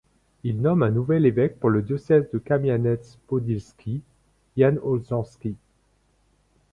Il nomme un nouvel évêque pour le diocèse de Kamianets-Podilsky, Jan Olszanski.